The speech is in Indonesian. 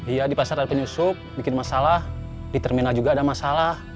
iya di pasar ada penyusup bikin masalah di terminal juga ada masalah